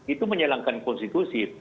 itu menyalahkan konstitusi